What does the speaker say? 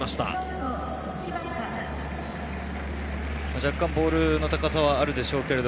若干ボールの高さはあるでしょうけど。